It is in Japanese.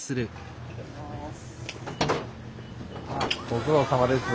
ご苦労さまです。